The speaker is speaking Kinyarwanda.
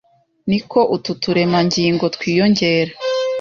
niko utu turemangingo twiyongera,